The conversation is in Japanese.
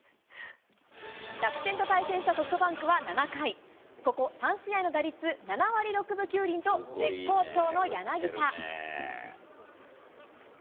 楽天と対戦したソフトバンクは７回、ここ３試合の打率７割６分９厘と、絶好調の柳田。